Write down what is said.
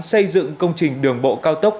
xây dựng công trình đường bộ cao tốc